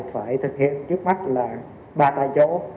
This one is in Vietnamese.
phải thực hiện trước mắt là ba tài chỗ